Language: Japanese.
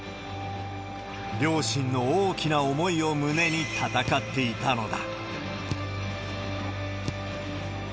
両親の大きな思いを胸に戦っていたのだ。